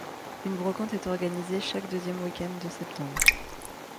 Une brocante est organisée chaque deuxième week-end de septembre.